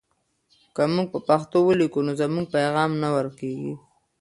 که موږ په پښتو ولیکو نو زموږ پیغام نه ورکېږي.